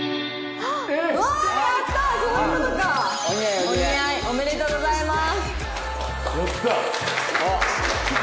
ありがとうございます。